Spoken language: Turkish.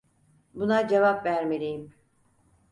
Buna cevap vermeliyim.